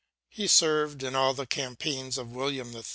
He served in all the campaigns of William III.